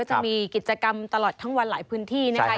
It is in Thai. จะมีกิจกรรมตลอดทั้งวันหลายพื้นที่นะคะ